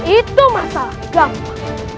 itu masalah agama